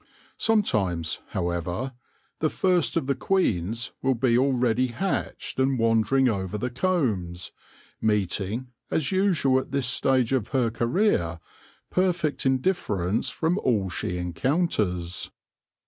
Some times, however, the first of the queens will be already hatched and wandering over the combs, meeting, as usual at this stage of her career, perfect indifference from all she encounters.